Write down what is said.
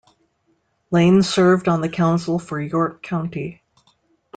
Lane served on the council for York County.